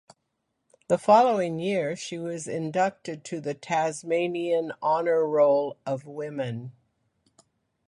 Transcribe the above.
The following year she was inducted to the Tasmanian Honour Roll of Women.